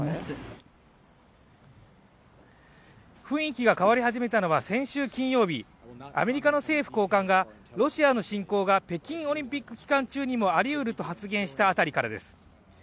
雰囲気が変わり始めたのは先週金曜日、アメリカの政府高官が、ロシアの侵攻が北京オリンピック期間中にもありうると発言した辺りからです。